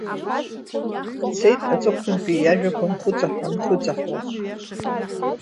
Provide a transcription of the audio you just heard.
Дцеит аҵыхәтәантәи иажәақәа нхәыҵаҳәа-нхәыҵаҳәо.